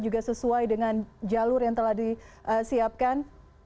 juga sesuai dengan jalur yang telah disiapkan